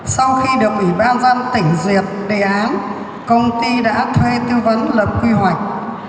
sau khi được ủy ban dân tỉnh duyệt đề án công ty đã thuê tư vấn lập quy hoạch